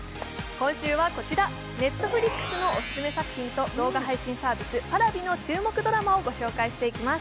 今週はこちら、Ｎｅｔｆｌｉｘのオススメ作品と動画配信サービスＰａｒａｖｉの注目ドラマをご紹介していきます。